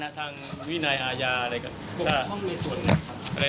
ผมฟันทงให้เลย